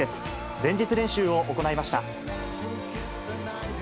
前日練習を行いました。